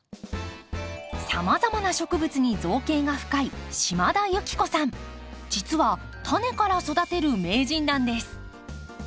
さまざまな植物に造詣が深い実はタネから育てる名人なんです。